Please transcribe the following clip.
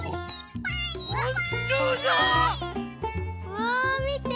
うわ。